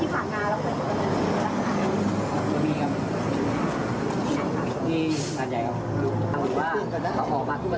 วันที่เรารู้ขึ้นจะหยุดทำงาน